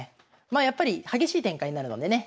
まあやっぱり激しい展開になるのでね